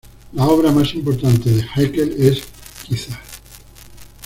La obra más importante de Haeckel es quizá